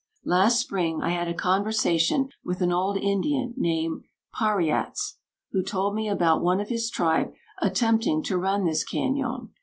"Last spring, I had a conversation with an old Indian named Pa ri ats, who told me about one of his tribe attempting to run this cañon.